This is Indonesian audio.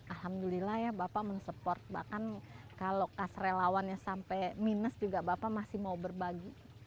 alhamdulillah ya bapak mensupport bahkan kalau kas relawannya sampai minus juga bapak masih mau berbagi